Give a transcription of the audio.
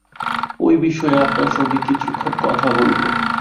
ঐ বিষয়ে আপনার সঙ্গে কিছুক্ষণ কথা বলব।